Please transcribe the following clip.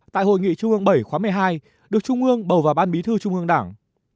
tại hội nghị trung bướng bảy khóa một mươi hai được trung bướng bầu vào bán bí thư trung bướng đảng